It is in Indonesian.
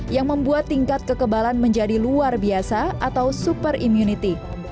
yang membuat tingkat kekebalan menjadi luar biasa atau super immunity